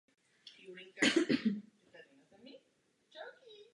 Levé křídlo Lancasterů tak muselo vzdorovat přesile a začalo v tomto úseku ustupovat.